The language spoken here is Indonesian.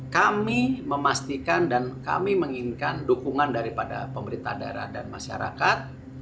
kami memastikan dan kami menginginkan dukungan daripada pemerintah daerah dan masyarakat